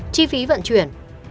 chi phí vận chuyển